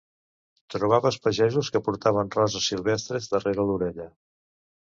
Trobaves pagesos que portaven roses silvestres darrere l'orella.